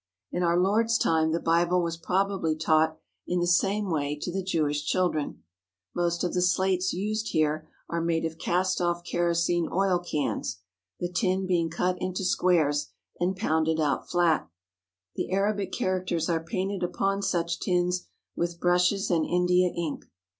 In our Lord's time the Bible was probably taught in the same way to the Jewish children. Most of the slates used here are made of cast off kerosene oil cans, the tin being cut into squares and pounded out flat. The Arabic characters are painted upon such tins with brushes and India ink.